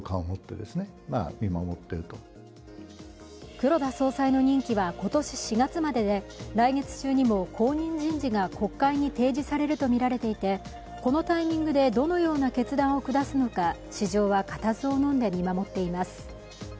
黒田総裁の任期は今年４月までで来月中にも後任人事が国会に提示されるとみられていてこのタイミングでどのような決断を下すのか市場は固唾をのんで見守っています。